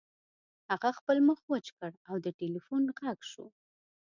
هغه خپل مخ وچ کړ او د ټیلیفون غږ شو